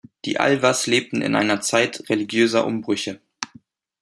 Die Alvars lebten in einer Zeit religiöser Umbrüche.